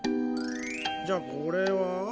じゃこれは？